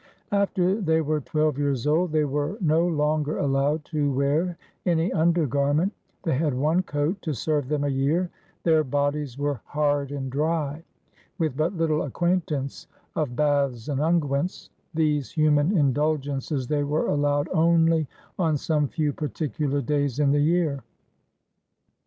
After they were twelve years old, they were no longer allowed to wear any undergarment; they had one coat to serve them a year; their bodies were hard and dry, with but little acquaintance of baths and unguents, these human indulgences they were allowed only on some few particular days in the year.